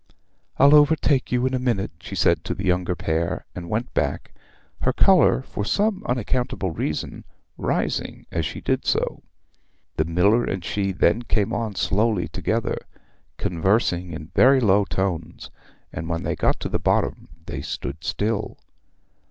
'I'll overtake you in a minute,' she said to the younger pair, and went back, her colour, for some unaccountable reason, rising as she did so. The miller and she then came on slowly together, conversing in very low tones, and when they got to the bottom they stood still.